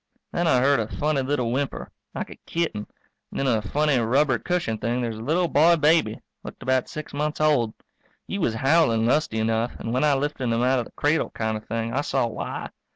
Then I heard a funny little whimper, like a kitten, and in a funny, rubber cushioned thing there's a little boy baby, looked about six months old. He was howling lusty enough, and when I lifted him out of the cradle kind of thing, I saw why.